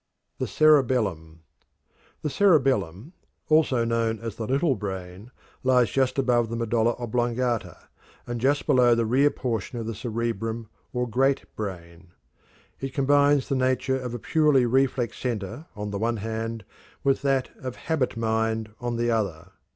The Cerebellum. The cerebellum, also known as "the little brain," lies just above the medulla oblongata, and just below the rear portion of the cerebrum or great brain. It combines the nature of a purely reflex center on the one hand, with that of "habit mind" on the other.